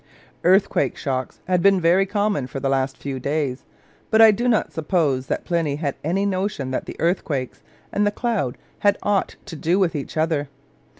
Earthquake shocks had been very common for the last few days; but I do not suppose that Pliny had any notion that the earthquakes and the cloud had aught to do with each other.